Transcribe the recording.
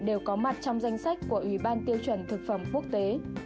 đều có mặt trong danh sách của ủy ban tiêu chuẩn thực phẩm quốc tế